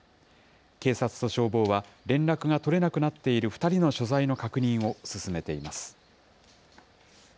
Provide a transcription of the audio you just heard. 警察と消防は、連絡が取れなくなっている２人の所在の確認を進めています。